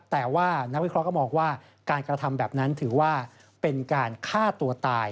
แต่ว่านักวิเคราะห์มองว่าการกระทำแบบนั้นถือว่าเป็นการฆ่าตัวตาย